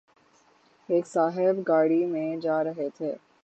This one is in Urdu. ایک صاحب گاڑی میں جارہے تھے